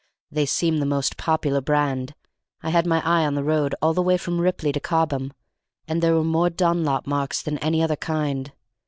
"They seem the most popular brand. I had my eye on the road all the way from Ripley to Cobham, and there were more Dunlop marks than any other kind.